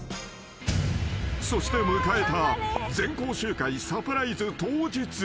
［そして迎えた全校集会サプライズ当日］